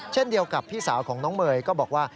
เช่นเดียวกับพี่สาวของน้องเมย์ก็บอกว่า